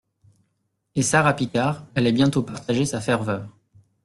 Et Sara Picard allait bientôt partager sa ferveur.